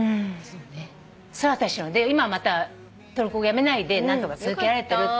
で今はまたトルコ語やめないで何とか続けられてるっていう。